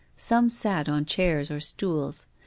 Some sat on chairs or stools.